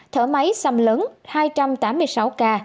thở máy xâm lấn hai trăm tám mươi sáu ca